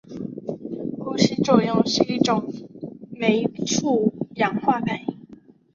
呼吸作用是一种酶促氧化反应。